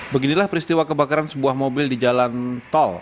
beginilah peristiwa kebakaran sebuah mobil di jalan tol